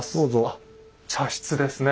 あっ茶室ですね。